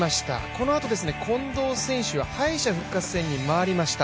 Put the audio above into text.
このあと近藤選手は敗者復活戦に回りました。